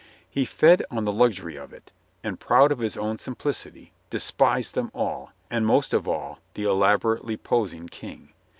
He fed on the luxury of it, and, proud of his own simplicity, despised them all, and most of all the elaborately posing King.